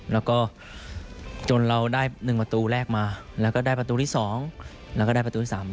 แล้วก็จนเราได้๑ประตูแรกมาแล้วก็ได้ประตูที่๒แล้วก็ได้ประตูที่๓